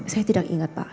saya tidak ingat pak